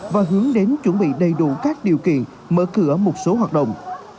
và hướng đến chuẩn bị đầy đủ các điều kiện mở cửa một số hoạt động